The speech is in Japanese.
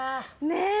ねえ